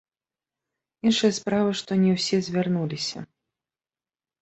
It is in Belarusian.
Іншая справа, што не ўсе звярнуліся.